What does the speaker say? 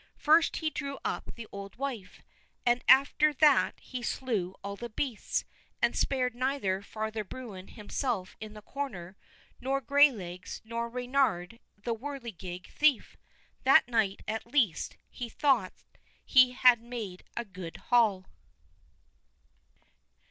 First he drew up the old wife, and after that he slew all the beasts, and spared neither Father Bruin himself in the corner, nor Graylegs, nor Reynard the whirligig thief. That night, at least, he thought he had made a good haul.